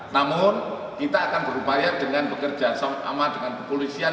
namun kita akan berupaya dengan bekerja sama dengan kepolisian